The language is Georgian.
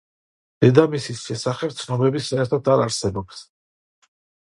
დედამისის შესახებ ცნობები საერთოდ არ არსებობს.